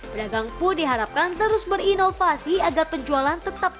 pedagang pun diharapkan terus berinovasi agar penjualan tetap